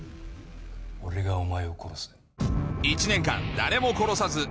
俺がお前を殺す。